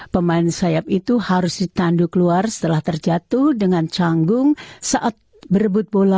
pemain sayap itu harus ditandu keluar setelah terjatuh dengan canggung saat berebut bola